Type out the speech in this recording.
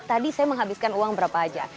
tadi saya menghabiskan uang berapa aja